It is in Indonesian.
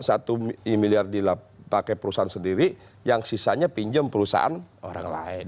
satu miliar dipakai perusahaan sendiri yang sisanya pinjam perusahaan orang lain